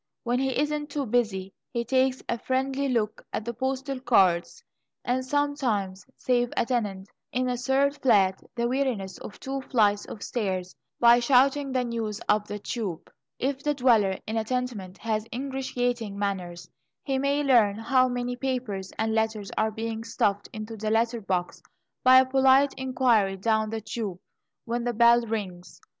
When he isn't too busy, he takes a friendly look at the postal cards, and sometimes saves a tenant in a third flat the weariness of two flights of stairs by shouting the news up the tube! If the dweller in a tenement has ingratiating manners, he may learn how many papers, and letters are being stuffed into the letter box, by a polite inquiry down the tube when the bell rings.